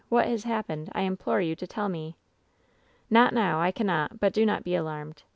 What has happened ? I implore you to tell me.' " 'Not now ! I cannot ! But do not be alarmed